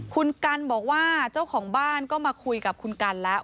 คุณกันบอกว่าเจ้าของบ้านก็มาคุยกับคุณกันแล้ว